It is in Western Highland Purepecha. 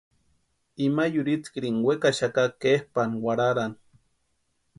Ima yurhitskirini wekaxaka kepʼani warharani.